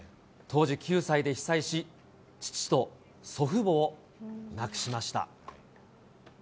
当時９歳で被災し、父と祖父母を亡くしました。